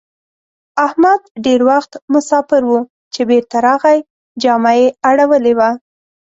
احمد ډېر وخت مساپر وو؛ چې بېرته راغی جامه يې اړولې وه.